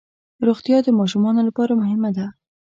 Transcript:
روغتیا د ماشومانو لپاره مهمه ده.